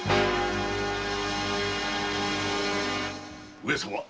上様！